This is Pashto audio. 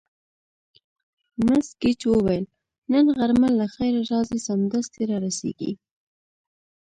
مس ګېج وویل: نن غرمه له خیره راځي، سمدستي را رسېږي.